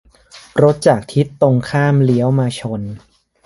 - รถจากทิศตรงข้ามเลี้ยวมาชน